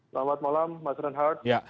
selamat malam mas renhard